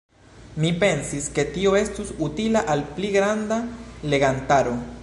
Mi pensis, ke tio estus utila al pli granda legantaro.